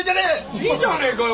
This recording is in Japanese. いいじゃねえかよ